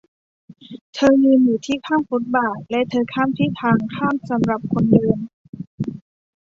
เธอยืนอยู่ที่ข้างฟุตบาทและเธอข้ามที่ทางข้ามสำหรับคนเดิน